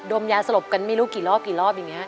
ดมยาสลบกันไม่รู้กี่รอบอย่างนี้